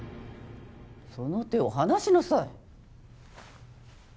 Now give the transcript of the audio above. その手を離しなさい。